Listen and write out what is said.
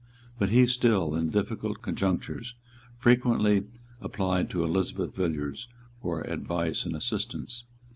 But he still, in difficult conjunctures, frequently applied to Elizabeth Villiers for advice and assistance.